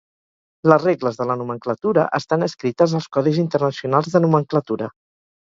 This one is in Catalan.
Les regles de la nomenclatura estan escrites als Codis Internacionals de Nomenclatura.